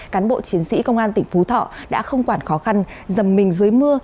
cán bộ chiến sĩ công an tỉnh phú thọ đã không quản khó khăn dầm mình dưới mưa